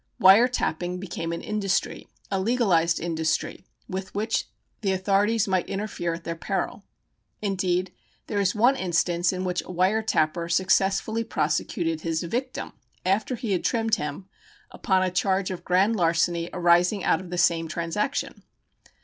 "Wire tapping" became an industry, a legalized industry with which the authorities might interfere at their peril. Indeed, there is one instance in which a "wire tapper" successfully prosecuted his victim (after he had trimmed him) upon a charge of grand larceny arising out of the same transaction.